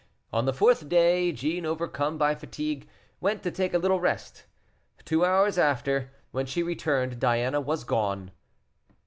On the fourth day, Jeaune, overcome by fatigue, went to take a little rest: two hours after, when she returned, Diana was gone.